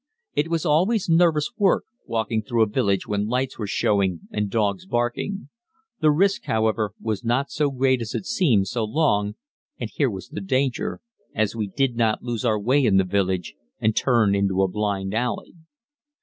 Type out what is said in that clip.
It was always nervous work walking through a village when lights were showing and dogs barking. The risk, however, was not so great as it seemed, so long and here was the danger as we did not lose our way in the village and turn into a blind alley.